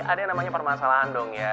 ada yang namanya permasalahan dong ya